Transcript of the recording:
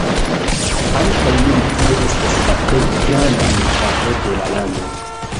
Ankaŭ nun tie estas la plej granda merkato de la lando.